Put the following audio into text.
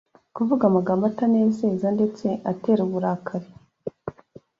kuvuga amagambo atanezeza ndetse atera uburakari